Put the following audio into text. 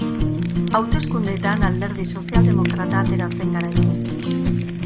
Hauteskundeetan, Alderdi Sozialdemokrata atera zen garaile.